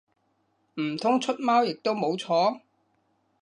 唔通出貓亦都冇錯？